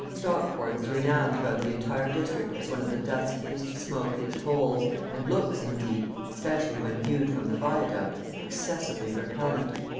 Stockport is renowned throughout the entire district as one of the duskiest, smokiest holes, and looks, indeed, especially when viewed from the viaduct, excessively repellent.